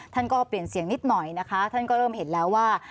ท่านก็เปลี่ยนเสียงนิดหน่อยนะคะท่านก็เริ่มเห็นแล้วว่า